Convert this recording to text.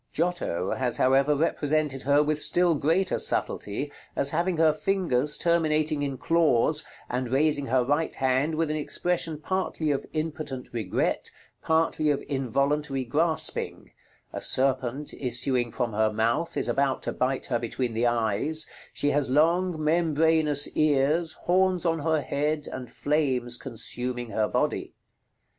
Giotto has, however, represented her, with still greater subtlety, as having her fingers terminating in claws, and raising her right hand with an expression partly of impotent regret, partly of involuntary grasping; a serpent, issuing from her mouth, is about to bite her between the eyes; she has long membranous ears, horns on her head, and flames consuming her body.